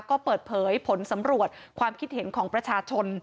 ก็เปิดเผยผลสำรวจความคิดเห็นของประชาชน